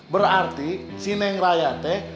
berarti si neng raya pak